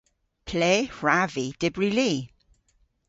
Ple hwrav vy dybri li?